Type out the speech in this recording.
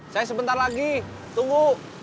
saya sebentar lagi tunggu